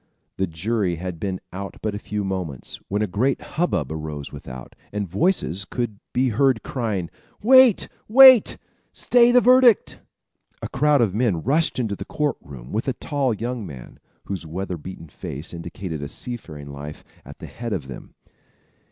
The jury had been out but a few moments, when a great hub bub arose without, and voices could be heard crying: "Wait! wait! stay your verdict!" A crowd of men rushed into the court room with a tall young man, whose weather beaten face indicated a seafaring life, at the head of them.